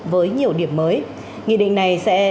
với nhiều điểm mới nghị định này sẽ